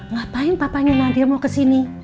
ngapain papanya nadia mau kesini